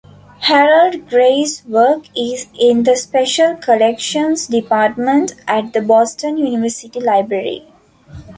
Harold Gray's work is in the Special Collections Department at the Boston University Library.